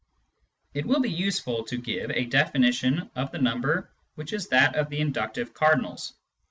It will be useful to give a definition of the number which is that of the inductive cardinals.